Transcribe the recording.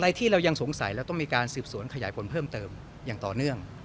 ที่เรายังสงสัยเราต้องมีการสืบสวนขยายผลเพิ่มเติมอย่างต่อเนื่อง